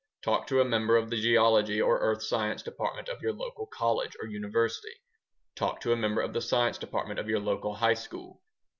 Talk to a member of the geology or earth science department of your local college or university. Talk to a member of the science department of your local high school.